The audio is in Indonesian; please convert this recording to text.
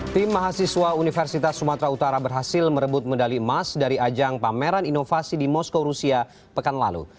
tim mahasiswa universitas sumatera utara berhasil merebut medali emas dari ajang pameran inovasi di moskow rusia pekan lalu